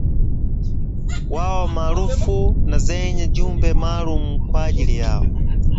wao maarufu na zenye jumbe maalum kwa ajili yao